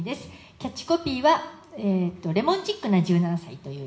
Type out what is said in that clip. キャッチコピーは、レモンチックな１７歳という。